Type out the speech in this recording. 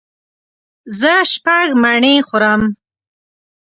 زه شپږ مڼې خورم.